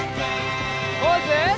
ポーズ！